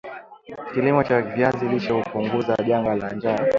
Kilimo cha viazi lishe hupunguza janga la njaa